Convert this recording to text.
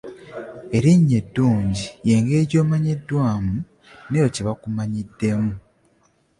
Erinnya eddungi ye ngeri gy’omanyiddwamu n’ekyo kye bakumanyiddemu.